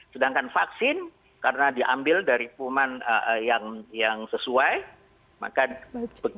sedangkan vaksin karena diambil dari publik